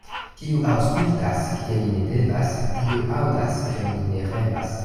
Kiu aŭskultas, kie li ne devas, tiu aŭdas, kion li ne revas.